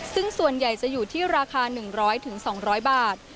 ซึ่งส่วนใหญ่จะอยู่ที่ราคา๑๐๐๒๐๐บาท